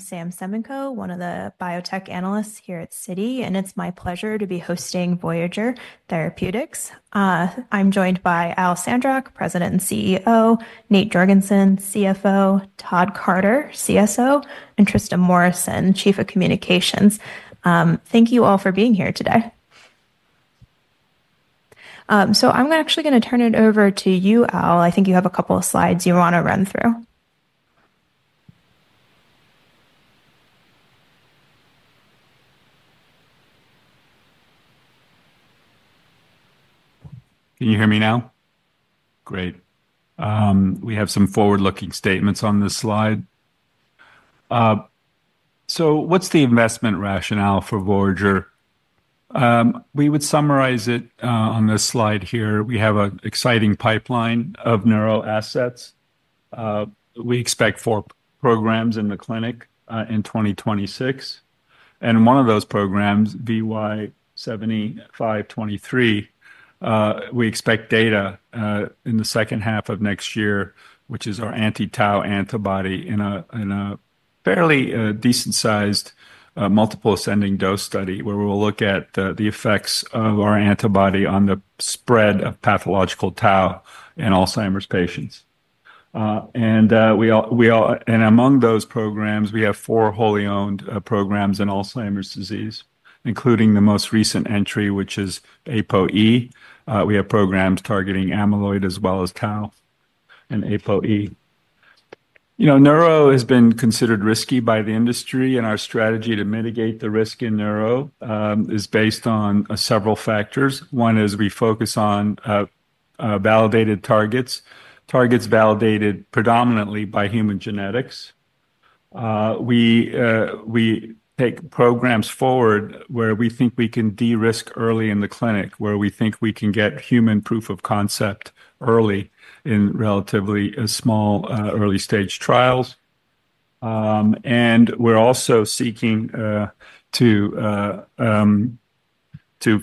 I'm Sam Semenkow, one of the Biotech Analysts here at Citi, and it's my pleasure to be hosting Voyager Therapeutics. I'm joined by Al Sandrock, President and CEO, Nate Jorgensen, CFO, Todd Carter, CSO, and Trista Morrison, Chief of Communications. Thank you all for being here today. I'm actually going to turn it over to you, Al. I think you have a couple of slides you want to run through. Can you hear me now? Great. We have some forward-looking statements on this slide. What's the investment rationale for Voyager? We would summarize it on this slide here. We have an exciting pipeline of neural assets. We expect four programs in the clinic in 2026, and one of those programs, VY7523, we expect data in the second half of next year, which is our anti-tau antibody in a fairly decent-sized, multiple ascending dose study where we'll look at the effects of our antibody on the spread of pathological tau in Alzheimer's patients. Among those programs, we have four wholly owned programs in Alzheimer's disease, including the most recent entry, which is APOE. We have programs targeting amyloid as well as t au and APOE. Neuro has been considered risky by the industry, and our strategy to mitigate the risk in neuro is based on several factors. One is we focus on validated targets, targets validated predominantly by human genetics. We take programs forward where we think we can de-risk early in the clinic, where we think we can get human proof of concept early in relatively small, early- stage trials. We're also seeking to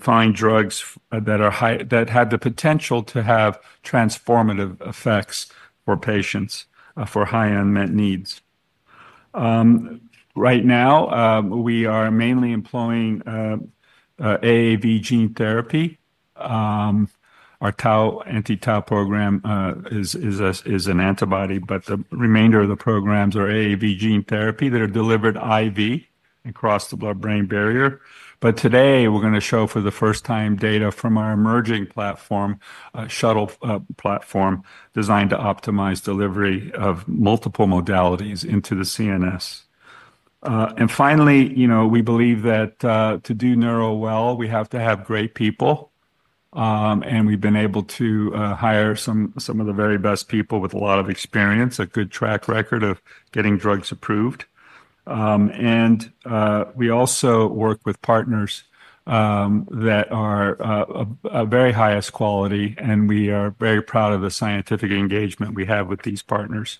find drugs that have the potential to have transformative effects for patients, for high unmet needs. Right now, we are mainly employing AAV gene therapy. Our anti-tau program is an antibody, but the remainder of the programs are AAV gene therapy that are delivered IV across the blood-brain barrier. Today, we're going to show for the first time data from our emerging platform, a shuttle platform designed to optimize delivery of multiple modalities into the CNS. Finally, we believe that to do Neurow el, we have to have great people. We've been able to hire some of the very best people with a lot of experience, a good track record of getting drugs approved. We also work with partners that are very high-quality, and we are very proud of the scientific engagement we have with these partners.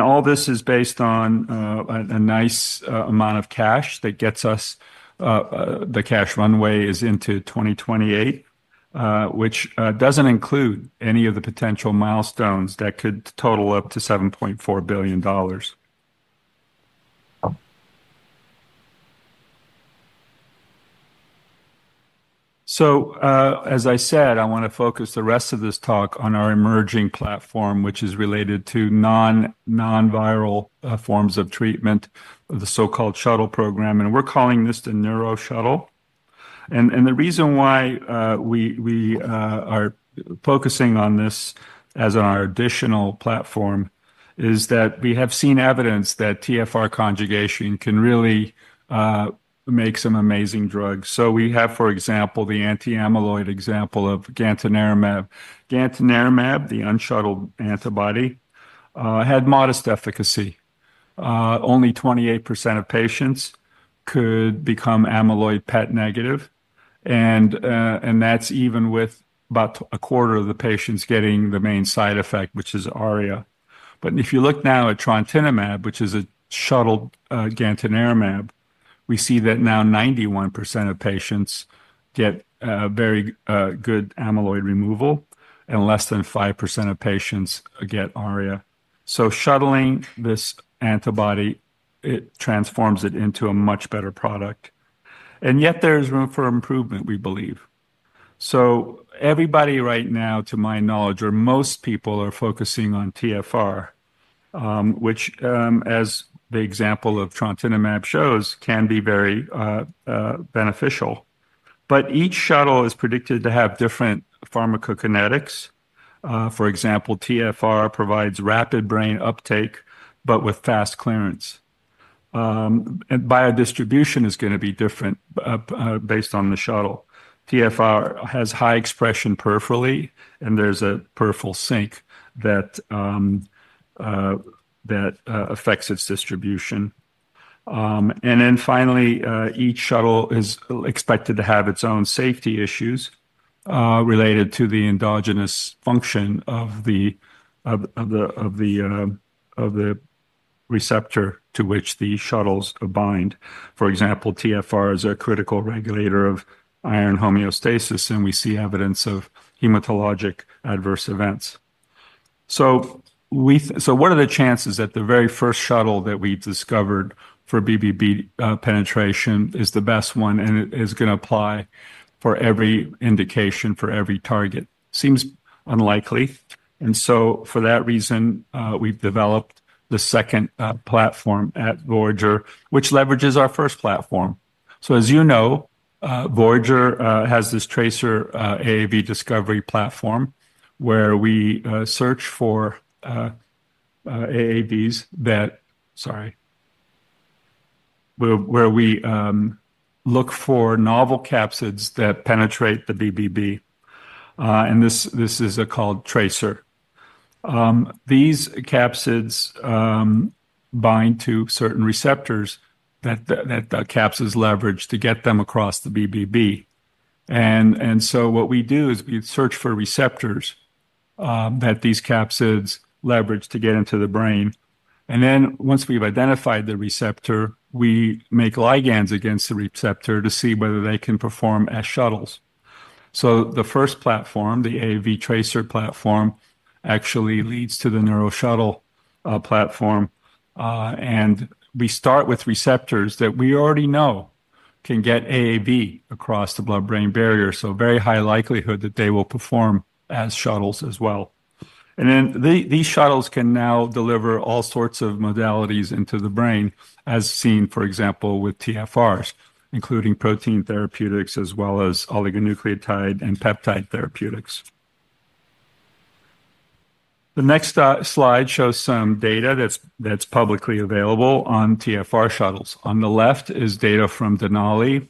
All this is based on a nice amount of cash that gets us, the cash runway is into 2028, which doesn't include any of the potential milestones that could total up to $7.4 billion. As I said, I want to focus the rest of this talk on our emerging platform, which is related to non-viral forms of treatment, the so-called shuttle program, and we're calling this the Neuro Shuttle. The reason why we are focusing on this as our additional platform is that we have seen evidence that TfR conjugation can really make some amazing drugs. We have, for example, the anti-amyloid example of gantenerumab. gantenerumab, the unshuttled antibody, had modest efficacy. Only 28% of patients could become amyloid PET negative, and that's even with about a quarter of the patients getting the main side effect, which is ARIA. If you look now at trontinemab, which is a shuttled gantenerumab, we see that now 91% of patients get a very good amyloid removal, and less than 5% of patients get ARIA. Shuttling this antibody transforms it into a much better product, and yet there is room for improvement, we believe. Everybody right now, to my knowledge, or most people are focusing on TfR, which, as the example of trontinemab shows, can be very beneficial. Each shuttle is predicted to have different pharmacokinetics. For example, TfR provides rapid brain uptake, but with fast clearance, and biodistribution is going to be different based on the shuttle. TfR has high expression peripherally, and there's a peripheral sink that affects its distribution. Finally, each shuttle is expected to have its own safety issues related to the endogenous function of the receptor to which the shuttles bind. For example, TfR is a critical regulator of iron homeostasis, and we see evidence of hematologic adverse events. What are the chances that the very first shuttle that we discovered for BBB penetration is the best one and is going to apply for every indication for every target? Seems unlikely. For that reason, we've developed the second platform at Voyager, which leverages our first platform. As you know, Voyager has this TRACER AAV discovery platform where we search for AAVs that, sorry, where we look for novel capsids that penetrate the BBB. This is called TRACER. These capsids bind to certain receptors that the capsids leverage to get them across the BBB. What we do is we search for receptors that these capsids leverage to get into the brain, and then once we've identified the receptor, we make ligands against the receptor to see whether they can perform as shuttles. The first platform, the AAV TRACER platform, actually leads to the Neuro Shuttle platform. We start with receptors that we already know can get AAV across the blood-brain barrier. There is a very high likelihood that they will perform as shuttles as well. These shuttles can now deliver all sorts of modalities into the brain, as seen, for example, with TfRs, including protein therapeutics as well as oligonucleotide and peptide therapeutics. The next slide shows some data that's publicly available on TfR shuttles. On the left is data from Denali,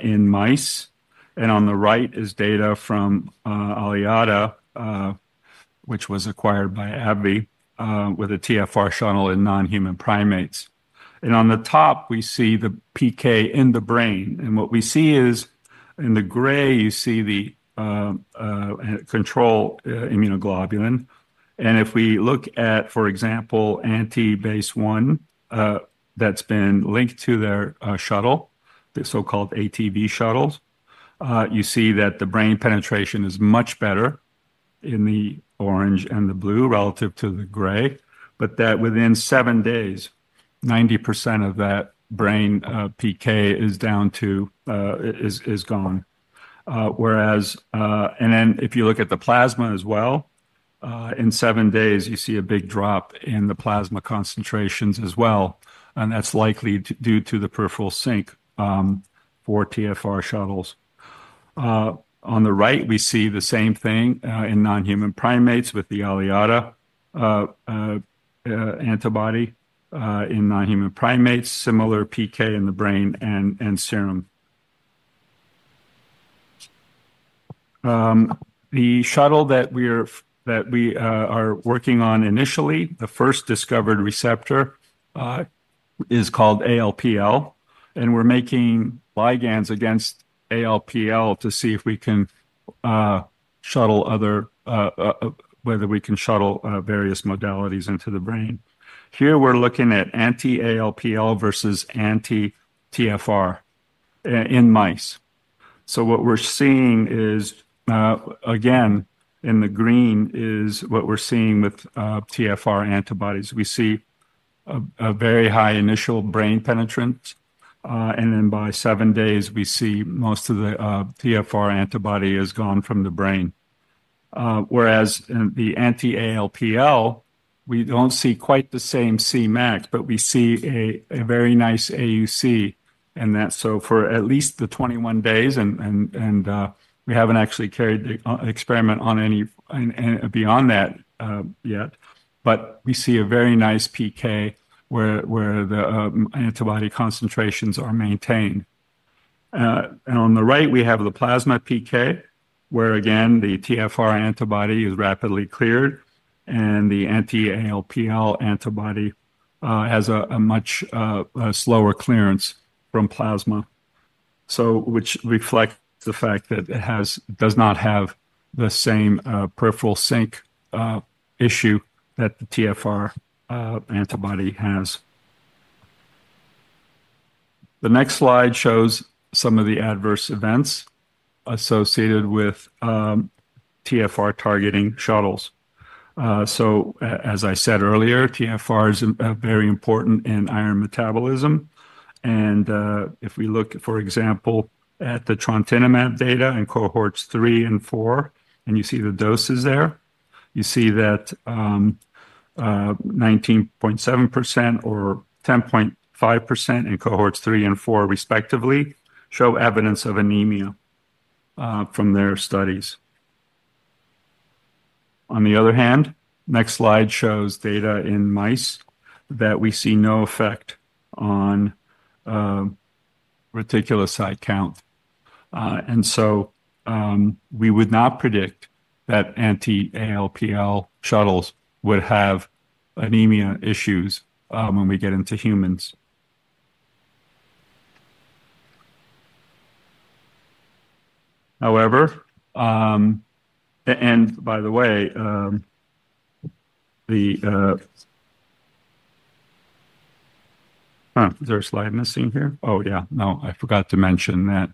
in mice. On the right is data from Aliada, which was acquired by AbbVie, with a TfR shuttle in non-human primates. On the top, we see the PK in the brain. In the gray, you see the control immunoglobulin. If we look at, for example, anti-based one that's been linked to their shuttle, the so-called ATV shuttles, you see that the brain penetration is much better in the orange and the blue relative to the gray, but within seven days, 90% of that brain PK is gone. If you look at the plasma as well, in seven days, you see a big drop in the plasma concentrations as well. That's likely due to the peripheral sink for TfR shuttles. On the right, we see the same thing in non-human primates with the Aliada antibody in non-human primates, similar PK in the brain and serum. The shuttle that we are working on initially, the first discovered receptor, is called ALPL. We are making ligands against ALPL to see if we can shuttle various modalities into the brain. Here we're looking at anti-ALPL versus anti-TfR in mice. In the green is what we're seeing with TfR antibodies. We see a very high initial brain penetrance, and then by seven days, we see most of the TfR antibody has gone from the brain. In the anti-ALPL, we don't see quite the same Cmax, but we see a very nice AUC, and that's so for at least the 21 days. We haven't actually carried the experiment on any beyond that yet, but we see a very nice PK where the antibody concentrations are maintained. On the right, we have the plasma PK, where again, the TfR antibody is rapidly cleared. The anti-ALPL antibody has a much slower clearance from plasma, which reflects the fact that it does not have the same peripheral sink issue that the TfR antibody has. The next slide shows some of the adverse events associated with TfR targeting shuttles. As I said earlier, TfR is very important in iron metabolism. If we look, for example, at the trontinemab data in Cohorts 3 and 4, and you see the doses there, you see that 19.7% or 10.5% in Cohorts 3 and 4 respectively show evidence of anemia from their studies. On the other hand, the next slide shows data in mice that we see no effect on reticulocyte count, and we would not predict that anti-ALPL shuttles would have anemia issues when we get into humans. However, is there a slide missing here? Oh, yeah. I forgot to mention that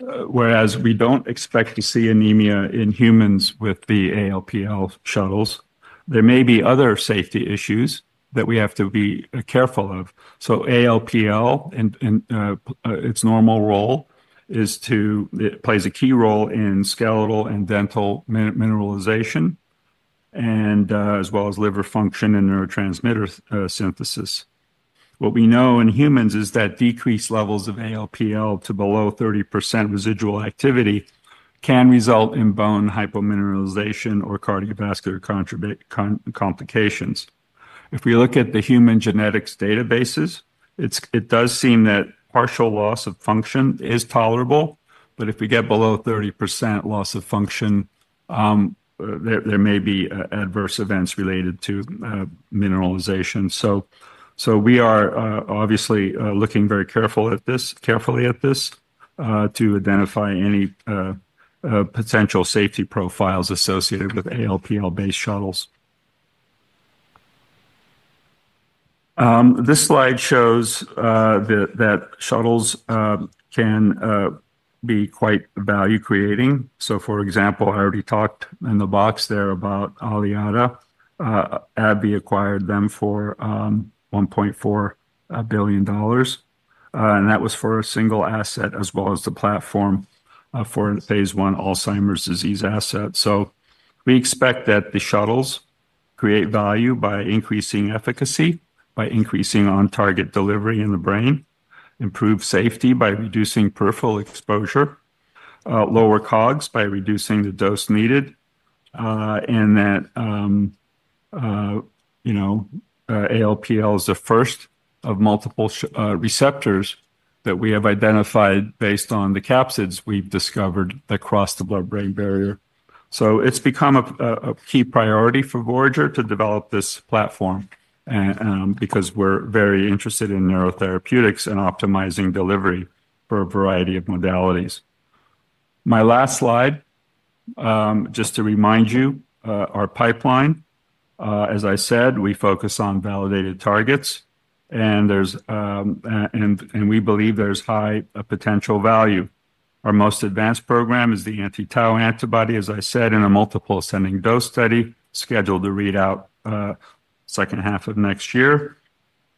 whereas we don't expect to see anemia in humans with the ALPL shuttles, there may be other safety issues that we have to be careful of. ALPL and its normal role is to, it plays a key role in skeletal and dental mineralization as well as liver function and neurotransmitter synthesis. What we know in humans is that decreased levels of ALPL to below 30% residual activity can result in bone hypomineralization or cardiovascular complications. If we look at the human genetics databases, it does seem that partial loss of function is tolerable, but if we get below 30% loss of function, there may be adverse events related to mineralization. We are obviously looking very carefully at this to identify any potential safety profiles associated with ALPL-based shuttles. This slide shows that shuttles can be quite value-creating. For example, I already talked in the box there about Aliada. AbbVie acquired them for $1.4 billion, and that was for a single asset as well as the platform for a phase I Alzheimer's disease asset. We expect that the shuttles create value by increasing efficacy, by increasing on-target delivery in the brain, improve safety by reducing peripheral exposure, lower COGS by reducing the dose needed, and that ALPL is the first of multiple receptors that we have identified based on the capsids we've discovered that cross the blood-brain barrier. It's become a key priority for Voyager to develop this platform because we're very interested in neurotherapeutics and optimizing delivery for a variety of modalities. My last slide, just to remind you, our pipeline, as I said, we focus on validated targets, and we believe there's high- potential value. Our most advanced program is the anti-tau antibody, as I said, in a multiple ascending dose study scheduled to read out, second half of next year.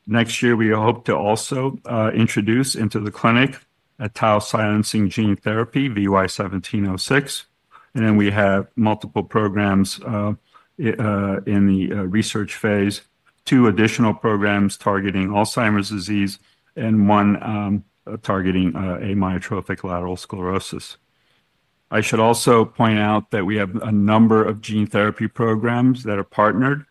Next year, we hope to also introduce into the clinic a tau silencing gene therapy, VY1706. We have multiple programs in the research phase, two additional programs targeting Alzheimer's disease, and one targeting amyotrophic lateral sclerosis. I should also point out that we have a number of gene therapy programs that are partnered.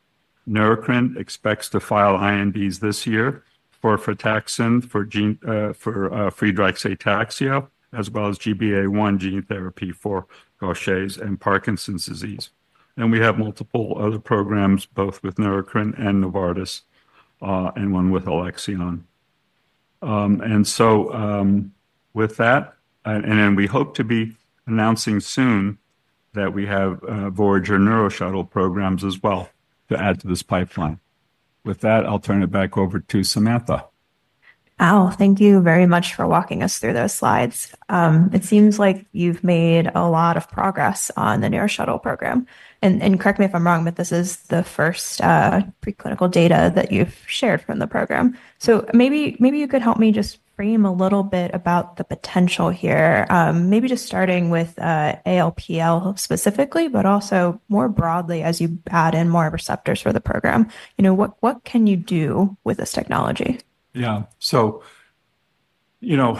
Neurocrine expects to file INDs this year for frataxin for Friedreich's ataxia, as well as GBA-1 gene therapy for Gaucher's and Parkinson's disease. We have multiple other programs, both with Neurocrine and Novartis, and one with Alexion. We hope to be announcing soon that we have Voyager Neuro Shuttle programs as well to add to this pipeline. With that, I'll turn it back over to Samantha. Al, thank you very much for walking us through those slides. It seems like you've made a lot of progress on the Neuro Shuttle program. Correct me if I'm wrong, but this is the first preclinical data that you've shared from the program. Maybe you could help me just frame a little bit about the potential here, maybe just starting with ALPL specifically, but also more broadly as you add in more receptors for the program. You know, what can you do with this technology? Yeah, so, you know,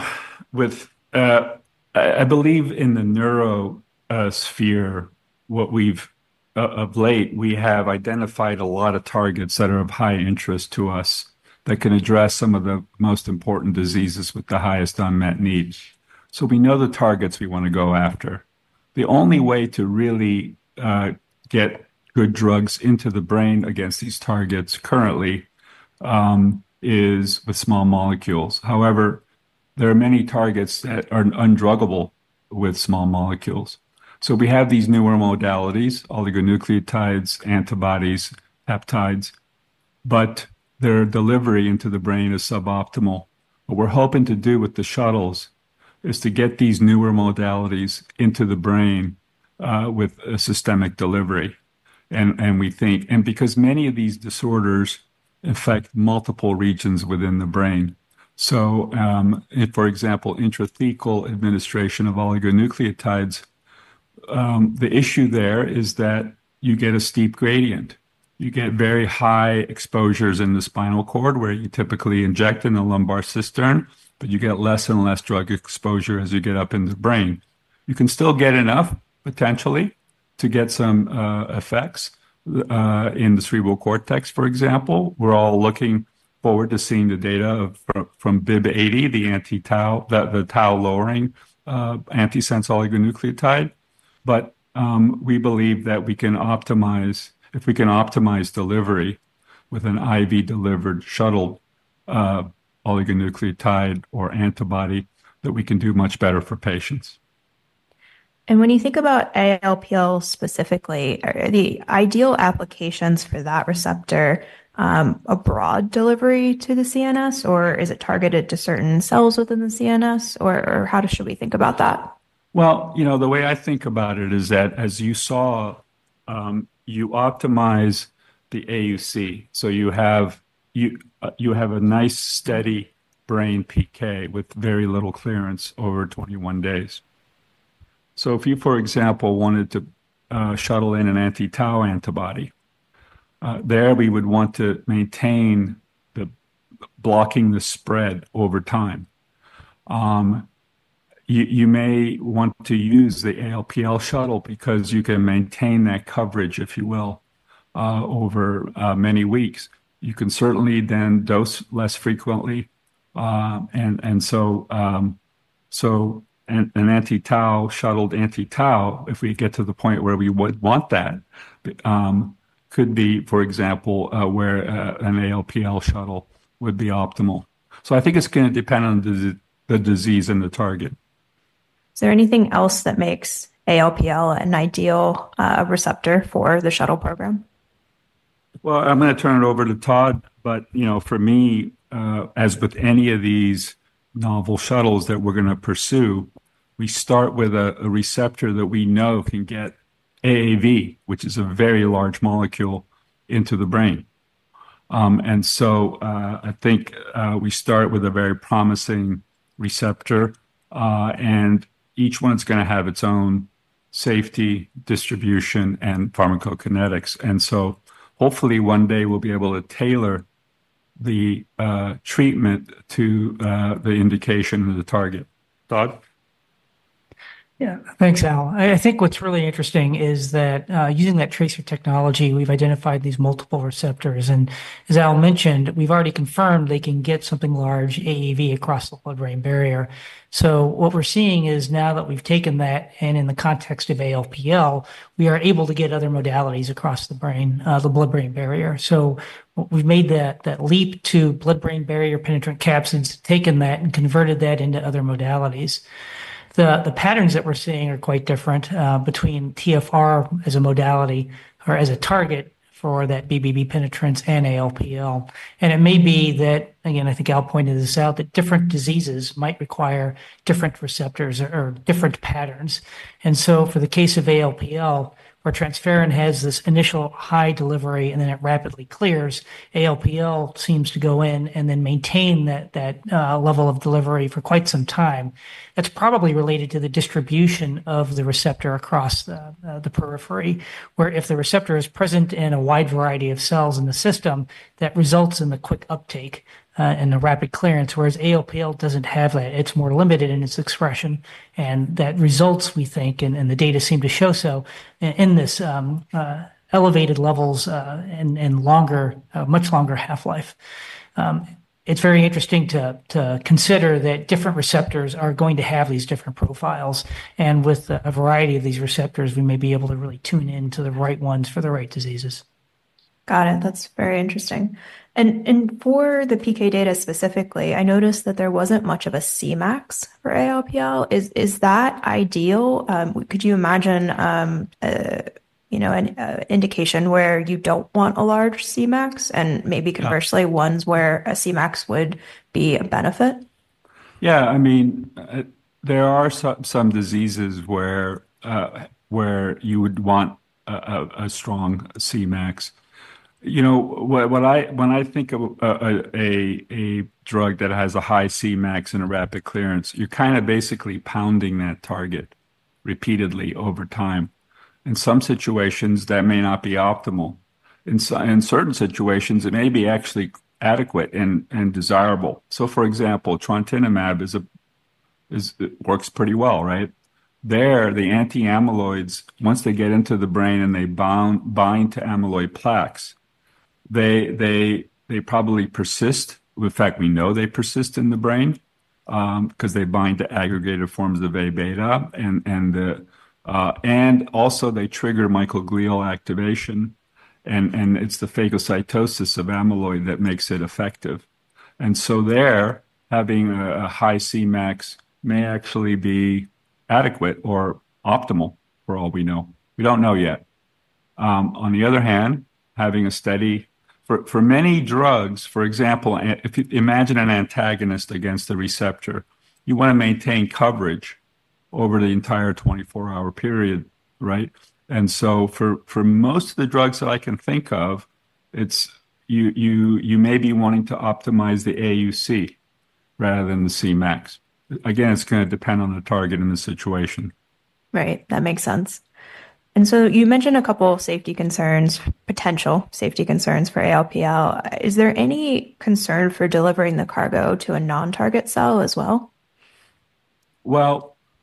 in the NeuroS phere, what we've, of late, we have identified a lot of targets that are of high interest to us that can address some of the most important diseases with the highest unmet needs. We know the targets we want to go after. The only way to really get good drugs into the brain against these targets currently is with small molecules. However, there are many targets that are undruggable with small molecules. We have these newer modalities, oligonucleotides, antibodies, peptides, but their delivery into the brain is suboptimal. What we're hoping to do with the shuttles is to get these newer modalities into the brain with a systemic delivery. We think, because many of these disorders affect multiple regions within the brain, for example, intrathecal administration of oligonucleotides, the issue there is that you get a steep gradient. You get very high exposures in the spinal cord where you typically inject in the lumbar cistern, but you get less and less drug exposure as you get up in the brain. You can still get enough, potentially, to get some effects in the cerebral cortex, for example. We're all looking forward to seeing the data from BIIB080, the anti-tau, the tau- lowering, antisense oligonucleotide. We believe that if we can optimize delivery with an IV-delivered shuttle, oligonucleotide or antibody, that we can do much better for patients. When you think about ALPL specifically, are the ideal applications for that receptor a broad delivery to the CNS, or is it targeted to certain cells within the CNS, or how do we think about that? The way I think about it is that, as you saw, you optimize the AUC. You have a nice steady brain PK with very little clearance over 21 days. For example, if you wanted to shuttle in an anti-tau antibody, there we would want to maintain the blocking the spread over time. You may want to use the ALPL shuttle because you can maintain that coverage, if you will, over many weeks. You can certainly then dose less frequently. An anti-tau shuttled anti-tau, if we get to the point where we would want that, could be, for example, where an ALPL shuttle would be optimal. I think it's going to depend on the disease and the target. Is there anything else that makes ALPL an ideal receptor for the shuttle program? I'm going to turn it over to Todd, but you know, for me, as with any of these novel shuttles that we're going to pursue, we start with a receptor that we know can get AAV, which is a very large molecule, into the brain. I think we start with a very promising receptor, and each one's going to have its own safety, distribution, and pharmacokinetics. Hopefully one day we'll be able to tailor the treatment to the indication of the target. Todd? Yeah, thanks, Al. I think what's really interesting is that, using that TRACER technology, we've identified these multiple receptors. As Al mentioned, we've already confirmed they can get something large, AAV, across the blood-brain barrier. What we're seeing is now that we've taken that, and in the context of ALPL, we are able to get other modalities across the blood-brain barrier. We've made that leap to blood-brain barrier penetrant capsids, taken that, and converted that into other modalities. The patterns that we're seeing are quite different between transferrin receptor as a modality or as a target for that BBB penetrance and ALPL. It may be that, again, I think Al pointed this out, that different diseases might require different receptors or different patterns. For the case of ALPL, where transferrin has this initial high delivery and then it rapidly clears, ALPL seems to go in and then maintain that level of delivery for quite some time. That's probably related to the distribution of the receptor across the periphery, where if the receptor is present in a wide variety of cells in the system, that results in the quick uptake and the rapid clearance, whereas ALPL doesn't have that. It's more limited in its expression. That results, we think, and the data seem to show so, in this elevated levels and longer, much longer half-life. It's very interesting to consider that different receptors are going to have these different profiles. With a variety of these receptors, we may be able to really tune into the right ones for the right diseases. Got it. That's very interesting. For the PK data specifically, I noticed that there wasn't much of a Cmax for ALPL. Is that ideal? Could you imagine, you know, an indication where you don't want a large Cmax and maybe conversely ones where a Cmax would be a benefit? Yeah, I mean, there are some diseases where you would want a strong Cmax. When I think of a drug that has a high Cmax and a rapid clearance, you're kind of basically pounding that target repeatedly over time. In some situations, that may not be optimal. In certain situations, it may be actually adequate and desirable. For example, trontinemab works pretty well, right? The anti-amyloids, once they get into the brain and they bind to amyloid plaques, they probably persist. In fact, we know they persist in the brain, because they bind to aggregated forms of A-beta. Also, they trigger microglial activation, and it's the phagocytosis of amyloid that makes it effective. There, having a high Cmax may actually be adequate or optimal for all we know. We don't know yet. On the other hand, having a steady, for many drugs, for example, if you imagine an antagonist against a receptor, you want to maintain coverage over the entire 24-hour period, right? For most of the drugs that I can think of, you may be wanting to optimize the AUC rather than the Cmax. Again, it's going to depend on the target and the situation. Right. That makes sense. You mentioned a couple of safety concerns, potential safety concerns for ALPL. Is there any concern for delivering the cargo to a non-target cell as well?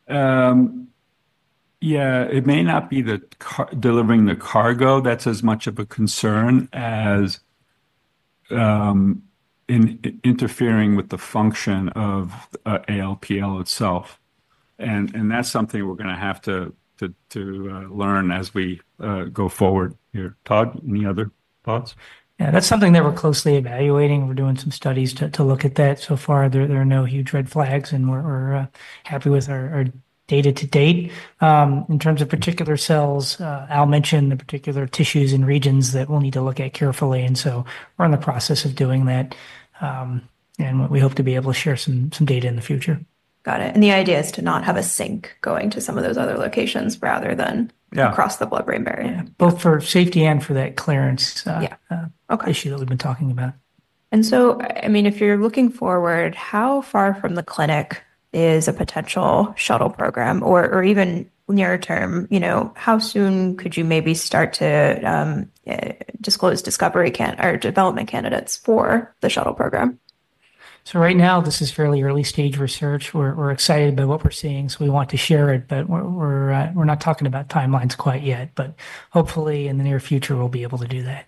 It may not be the delivering the cargo that's as much of a concern as interfering with the function of ALPL itself. That's something we're going to have to learn as we go forward here. Todd, any other thoughts? Yeah, that's something that we're closely evaluating. We're doing some studies to look at that. So far, there are no huge red flags, and we're happy with our data to date. In terms of particular cells, Al mentioned the particular tissues and regions that we'll need to look at carefully. We're in the process of doing that, and we hope to be able to share some data in the future. Got it. The idea is to not have a sync going to some of those other locations rather than across the blood-brain barrier. Both for safety and for that clearance issue that we've been talking about. If you're looking forward, how far from the clinic is a potential shuttle program, or even nearer term, how soon could you maybe start to disclose discovery or development candidates for the shuttle program? Right now, this is fairly early stage research. We're excited about what we're seeing, so we want to share it, but we're not talking about timelines quite yet. Hopefully, in the near future, we'll be able to do that.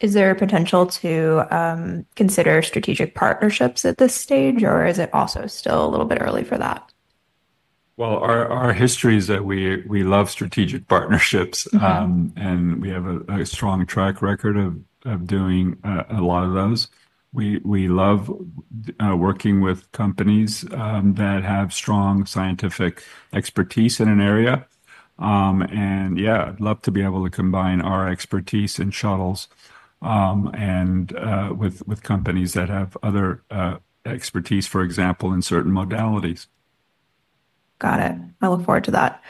Is there a potential to consider strategic partnerships at this stage, or is it also still a little bit early for that? Our history is that we love strategic partnerships, and we have a strong track record of doing a lot of those. We love working with companies that have strong scientific expertise in an area. I'd love to be able to combine our expertise in shuttles with companies that have other expertise, for example, in certain modalities. Got it. I look forward to that.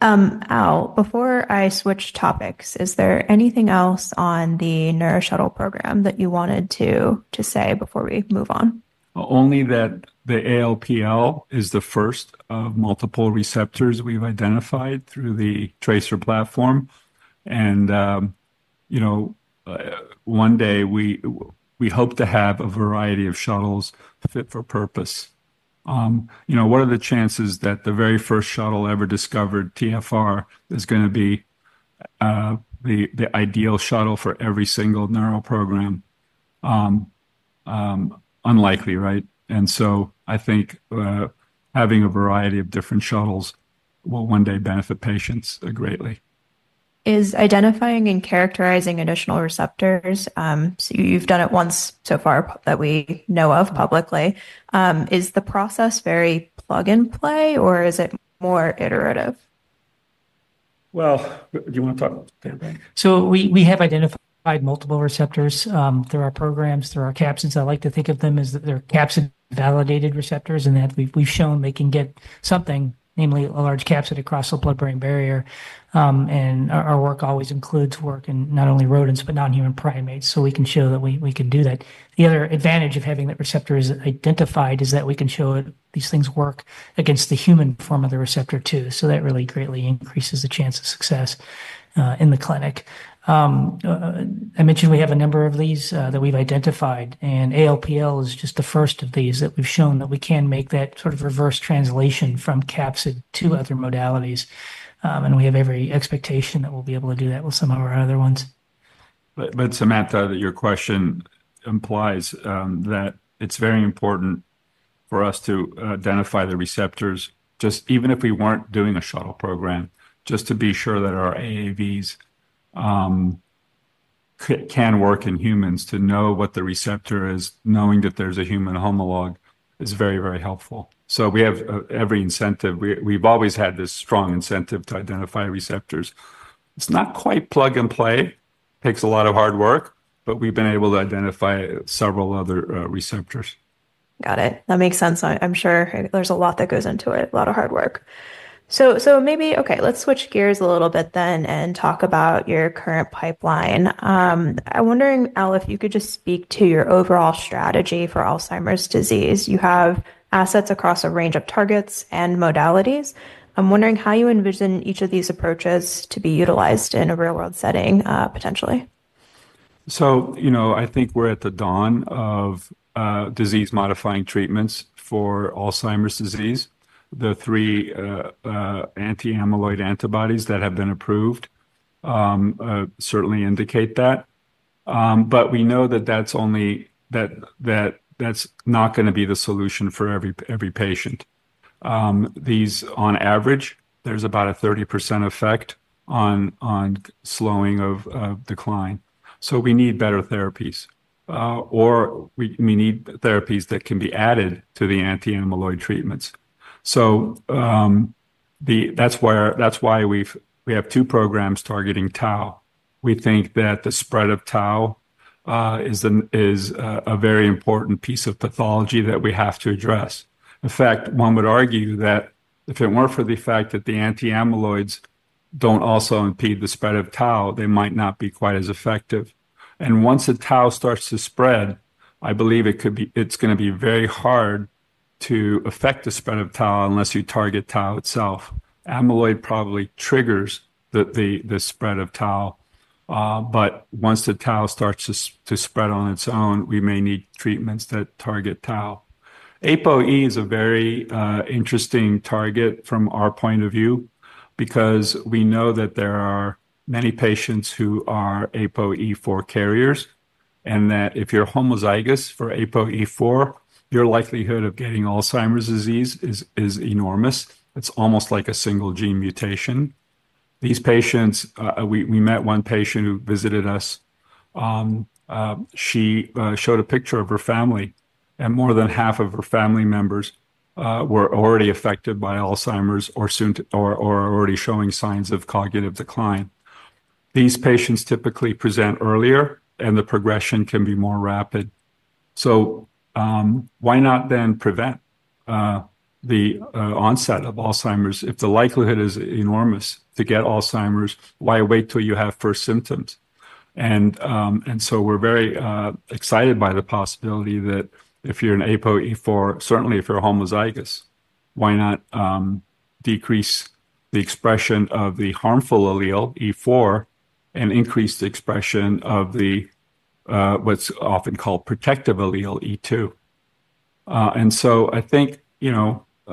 Al, before I switch topics, is there anything else on the Neuro Shuttle program that you wanted to say before we move on? Only that the ALPL is the first of multiple receptors we've identified through the TRACER platform. One day we hope to have a variety of shuttles fit for purpose. What are the chances that the very first shuttle ever discovered, TfR, is going to be the ideal shuttle for every single neuro program? Unlikely, right? I think having a variety of different shuttles will one day benefit patients greatly. Is identifying and characterizing additional receptors, so you've done it once so far that we know of publicly, is the process very plug and play, or is it more iterative? Do you want to talk about the pandemic? We have identified multiple receptors through our programs, through our capsids. I like to think of them as they're capsid-validated receptors, in that we've shown they can get something, namely a large capsid, across the blood-brain barrier. Our work always includes work in not only rodents, but non-human primates, so we can show that we can do that. The other advantage of having that receptor identified is that we can show that these things work against the human form of the receptor too. That really greatly increases the chance of success in the clinic. I mentioned we have a number of these that we've identified, and ALPL is just the first of these that we've shown that we can make that sort of reverse translation from capsid to other modalities. We have every expectation that we'll be able to do that with some of our other ones. Your question implies that it's very important for us to identify the receptors, even if we weren't doing a shuttle program, just to be sure that our AAVs can work in humans. To know what the receptor is, knowing that there's a human homolog is very, very helpful. We have every incentive. We've always had this strong incentive to identify receptors. It's not quite plug and play. It takes a lot of hard work, but we've been able to identify several other receptors. Got it. That makes sense. I'm sure there's a lot that goes into it, a lot of hard work. Let's switch gears a little bit and talk about your current pipeline. I'm wondering, Al, if you could just speak to your overall strategy for Alzheimer's disease. You have assets across a range of targets and modalities. I'm wondering how you envision each of these approaches to be utilized in a real-world setting, potentially. I think we're at the dawn of disease-modifying treatments for Alzheimer's disease. The three anti-amyloid antibodies that have been approved certainly indicate that. We know that that's not going to be the solution for every patient. On average, there's about a 30% effect on slowing of decline. We need better therapies, or we need therapies that can be added to the anti-amyloid treatments. That's why we have two programs targeting tau. We think that the spread of tau is a very important piece of pathology that we have to address. In fact, one would argue that if it weren't for the fact that the anti-amyloids don't also impede the spread of tau, they might not be quite as effective. Once the tau starts to spread, I believe it's going to be very hard to affect the spread of tau unless you target tau itself. Amyloid probably triggers the spread of tau, but once the tau starts to spread on its own, we may need treatments that target tau. APOE is a very interesting target from our point of view because we know that there are many patients who are APOE4 carriers and that if you're homozygous for APOE4, your likelihood of getting Alzheimer's disease is enormous. It's almost like a single gene mutation. We met one patient who visited us. She showed a picture of her family, and more than half of her family members were already affected by Alzheimer's or are already showing signs of cognitive decline. These patients typically present earlier, and the progression can be more rapid. Why not then prevent the onset of Alzheimer's? If the likelihood is enormous to get Alzheimer's, why wait till you have first symptoms? We're very excited by the possibility that if you're an APOE4, certainly if you're homozygous, why not decrease the expression of the harmful allele, E4, and increase the expression of the, what's often called protective allele, E2? I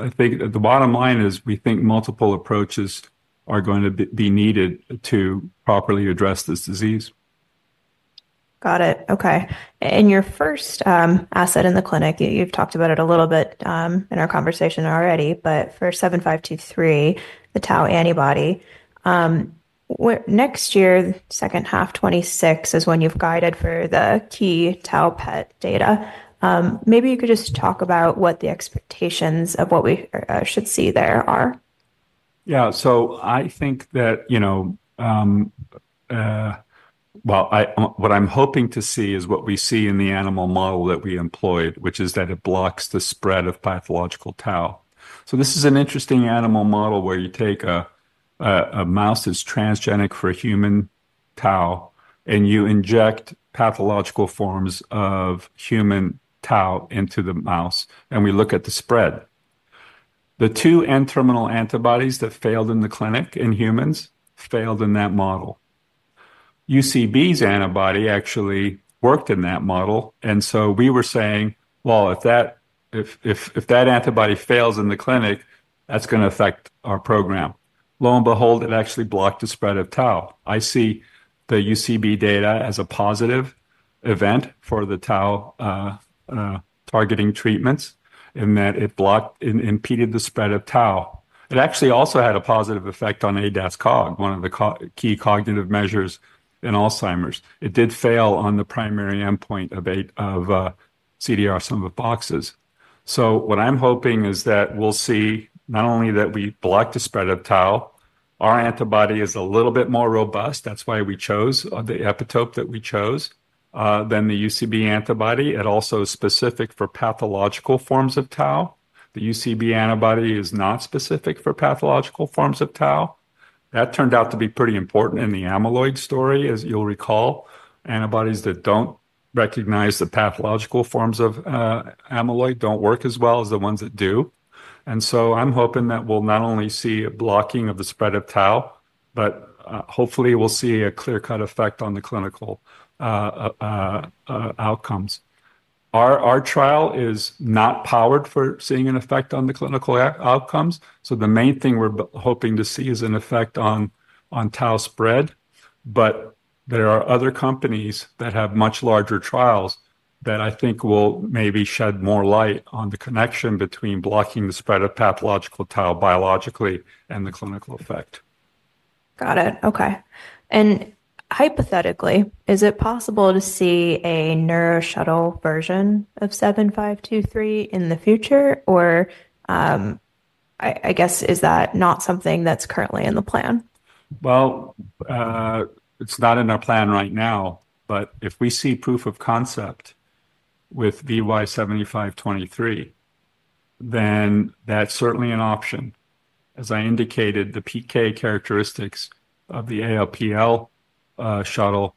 think the bottom line is we think multiple approaches are going to be needed to properly address this disease. Got it. Okay. Your first asset in the clinic, you've talked about it a little bit in our conversation already, but for VY7523, the tau antibody, next year, the second half, 2026, is when you've guided for the key tau PET data. Maybe you could just talk about what the expectations of what we should see there are. Yeah, I think that what I'm hoping to see is what we see in the animal model that we employed, which is that it blocks the spread of pathological tau. This is an interesting animal model where you take a mouse that's transgenic for human tau, and you inject pathological forms of human tau into the mouse, and we look at the spread. The two N-terminal antibodies that failed in the clinic in humans failed in that model. UCB's antibody actually worked in that model, and we were saying, if that antibody fails in the clinic, that's going to affect our program. Lo and behold, it actually blocked the spread of tau. I see the UCB data as a positive event for the tau targeting treatments in that it blocked and impeded the spread of tau. It actually also had a positive effect on ADAS-Cog, one of the key cognitive measures in Alzheimer's. It did fail on the primary endpoint of CDR, some of the boxes. What I'm hoping is that we'll see not only that we blocked the spread of tau, our antibody is a little bit more robust. That's why we chose the epitope that we chose, than the UCB antibody. It also is specific for pathological forms of tau. The UCB antibody is not specific for pathological forms of tau. That turned out to be pretty important in the amyloid story, as you'll recall, antibodies that don't recognize the pathological forms of amyloid don't work as well as the ones that do. I'm hoping that we'll not only see a blocking of the spread of tau, but hopefully we'll see a clear-cut effect on the clinical outcomes. Our trial is not powered for seeing an effect on the clinical outcomes. The main thing we're hoping to see is an effect on tau spread. There are other companies that have much larger trials that I think will maybe shed more light on the connection between blocking the spread of pathological tau biologically and the clinical effect. Got it. Okay. Hypothetically, is it possible to see a Neuro Shuttle version of VY7523 in the future, or is that not something that's currently in the plan? It's not in our plan right now, but if we see proof of concept with VY7523, then that's certainly an option. As I indicated, the PK characteristics of the ALPL shuttle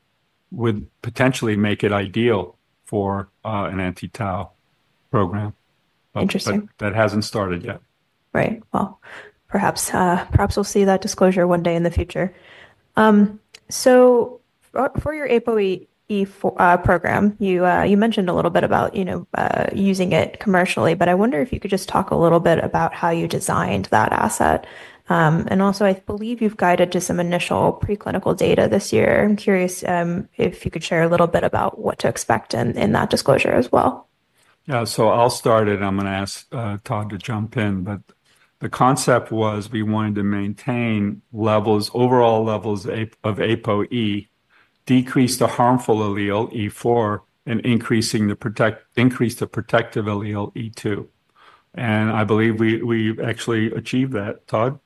would potentially make it ideal for an anti-tau program. Interesting. That hasn't started yet. Right. Perhaps we'll see that disclosure one day in the future. For your APOE program, you mentioned a little bit about, you know, using it commercially. I wonder if you could just talk a little bit about how you designed that asset. I believe you've guided to some initial preclinical data this year. I'm curious if you could share a little bit about what to expect in that disclosure as well. Yeah, I'll start it. I'm going to ask Todd to jump in, but the concept was we wanted to maintain levels, overall levels of APOE, decrease the harmful allele, E4, and increase the protective allele, E2. I believe we've actually achieved that, Todd.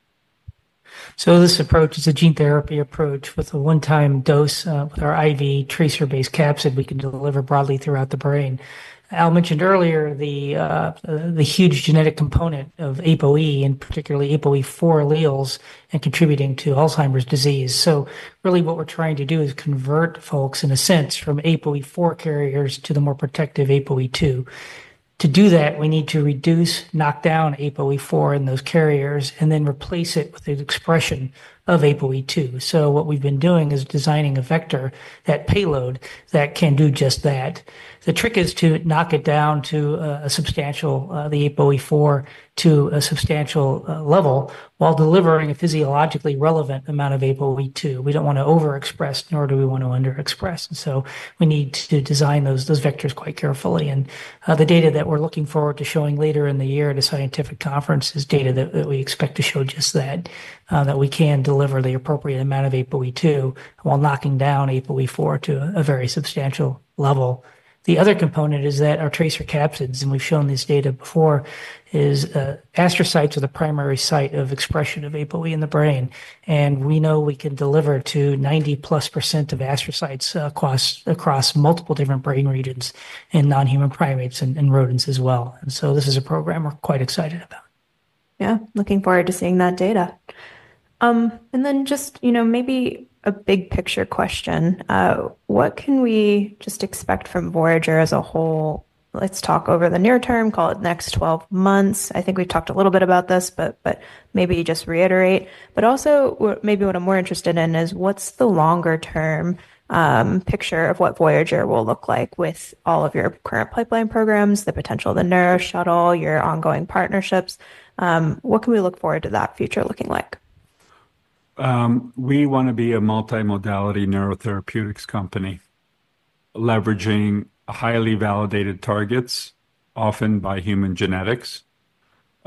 This approach is a gene therapy approach with a one-time dose or IV TRACER-based capsid we can deliver broadly throughout the brain. Al mentioned earlier the huge genetic component of APOE and particularly APOE4 alleles in contributing to Alzheimer's disease. What we're trying to do is convert folks in a sense from APOE4 carriers to the more protective APOE2. To do that, we need to reduce, knock down APOE4 in those carriers and then replace it with an expression of APOE2. What we've been doing is designing a vector and payload that can do just that. The trick is to knock down the APOE4 to a substantial level while delivering a physiologically relevant amount of APOE2. We don't want to overexpress, nor do we want to underexpress. We need to design those vectors quite carefully. The data that we're looking forward to showing later in the year at a scientific conference is data that we expect to show just that, that we can deliver the appropriate amount of APOE2 while knocking down APOE4 to a very substantial level. The other component is that our TRACER capsids, and we've shown these data before, is astrocytes are the primary site of expression of APOE in the brain. We know we can deliver to 90%+ of astrocytes across multiple different brain regions in non-human primates and rodents as well. This is a program we're quite excited about. Yeah, looking forward to seeing that data. Maybe a big picture question. What can we just expect from Voyager as a whole? Let's talk over the near term, call it next 12 months. I think we've talked a little bit about this, but maybe just reiterate. What I'm more interested in is what's the longer- term picture of what Voyager will look like with all of your current pipeline programs, the potential of the Neuro Shuttle, your ongoing partnerships. What can we look forward to that future looking like? We want to be a multimodality neurotherapeutics company, leveraging highly validated targets, often by human genetics,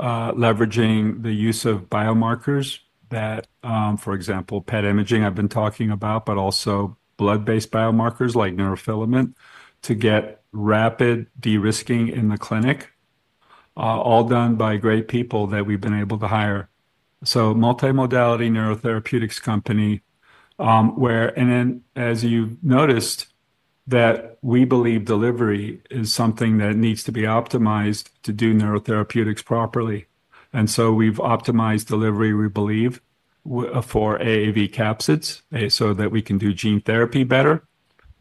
leveraging the use of biomarkers that, for example, PET imaging I've been talking about, but also blood-based biomarkers like neurofilament to get rapid de-risking in the clinic, all done by great people that we've been able to hire. We are a multimodality neurotherapeutics company, where, as you noticed, we believe delivery is something that needs to be optimized to do neurotherapeutics properly. We have optimized delivery, we believe, for AAV capsids so that we can do gene therapy better.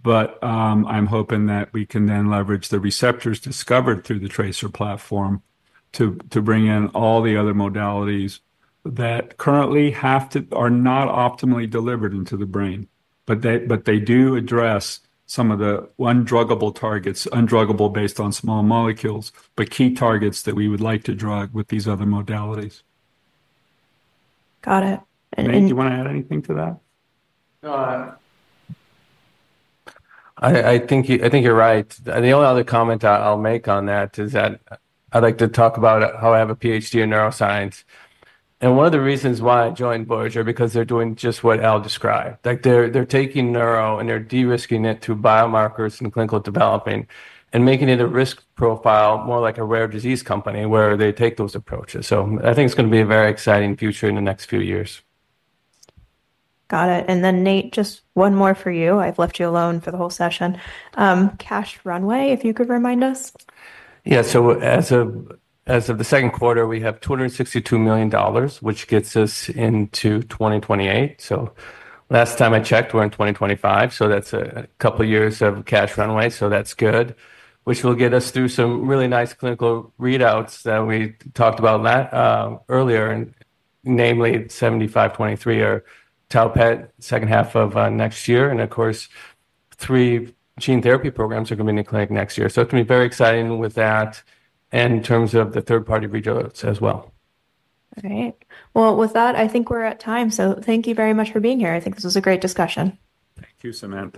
I'm hoping that we can then leverage the receptors discovered through the TRACER p latform to bring in all the other modalities that currently are not optimally delivered into the brain, but they do address some of the undruggable targets, undruggable based on small molecules, but key targets that we would like to drug with these other modalities. Got it. Nate, you want to add anything to that? I think you're right. The only other comment I'll make on that is that I'd like to talk about how I have a Ph.D. in neuroscience. One of the reasons why I joined Voyager is because they're doing just what Al described. They're taking neuro and they're de-risking it to biomarkers and clinical development, making it a risk profile more like a rare disease company where they take those approaches. I think it's going to be a very exciting future in the next few years. Got it. Nate, just one more for you. I've left you alone for the whole session. Cash runway, if you could remind us. Yeah, as of the second quarter, we have $262 million, which gets us into 2028. Last time I checked, we're in 2025, so that's a couple of years of cash runway. That's good, which will get us through some really nice clinical readouts that we talked about earlier, namely VY7523 or tau PET second half of next year. Of course, three gene therapy programs are going to be in the clinic next year. It's going to be very exciting with that and in terms of the third-party readouts as well. All right. I think we're at time. Thank you very much for being here. I think this was a great discussion. Thank you, Samantha.